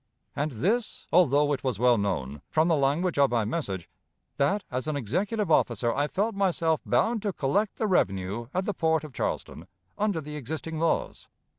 And this, although it was well known, from the language of my message, that as an executive officer I felt myself bound to collect the revenue at the port of Charleston under the existing laws.